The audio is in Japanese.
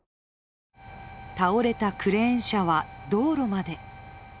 倒れたクレーン車は、道路まで。